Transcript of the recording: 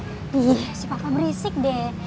ih si papa berisik deh